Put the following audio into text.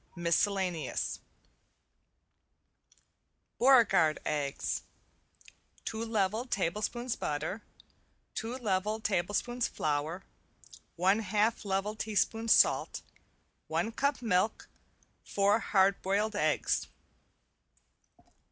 MISCELLANEOUS ~BEAUREGARD EGGS~ Two level tablespoons butter, two level tablespoons flour, one half level teaspoon salt, one cup milk, four hard boiled eggs.